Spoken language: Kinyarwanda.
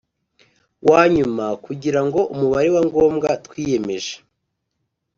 Wa nyuma kugira ngo umubare wa ngombwa twiyemeje